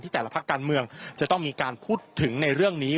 แต่ละพักการเมืองจะต้องมีการพูดถึงในเรื่องนี้